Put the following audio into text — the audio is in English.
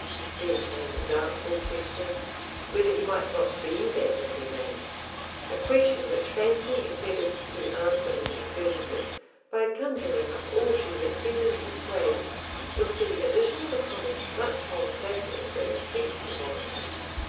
Then came the doubtful question, whether he might not be that happy man, a question which fancy endeavoured to answer in the affirmative, by conjuring up all she had said in his praise, with the addition of a comment much more flattering than the text warranted.